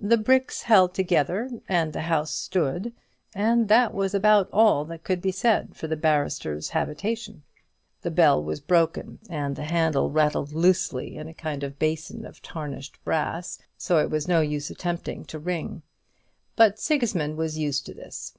The bricks held together, and the house stood; and that was about all that could be said for the barrister's habitation. The bell was broken, and the handle rattled loosely in a kind of basin of tarnished brass, so it was no use attempting to ring; but Sigismund was used to this.